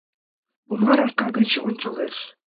Помар арка гыч ончалеш.